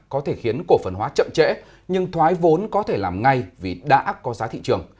có thể khiến cổ phần hóa chậm trễ nhưng thoái vốn có thể làm ngay vì đã có giá thị trường